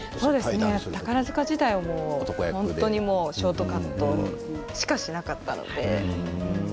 宝塚時代はショートカットしかしなかったので。